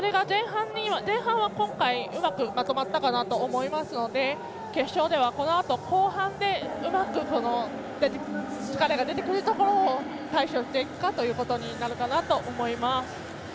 前半は今回うまく、まとまったかなと思いますので決勝ではこのあと後半でうまく力が出なかったところをどう対処していくかというところになると思います。